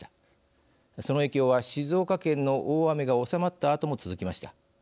その影響は静岡県の大雨が収まったあとも続きました。